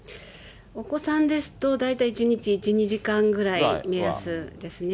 お子さんですと、大体１日、１、２時間ぐらい、目安ですね。